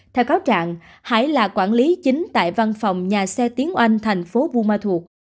theo cáo trạng hải là quản lý chính tại văn phòng nhà xe tiếng anh thành phố buma thuộc